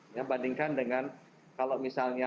dibandingkan dengan kalau misalnya